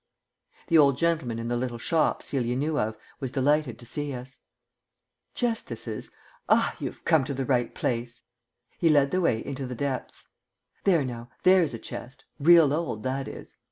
The old gentleman in the little shop Celia knew of was delighted to see us. "Chestesses? Ah, you 'ave come to the right place." He led the way into the depths. "There now. There's a chest real old, that is."